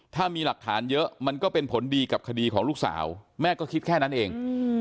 ถ้ามีหลักฐานเยอะมันก็เป็นผลดีกับคดีของลูกสาวแม่ก็คิดแค่นั้นเอง